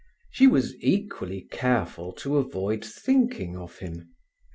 She was equally careful to avoid thinking of him.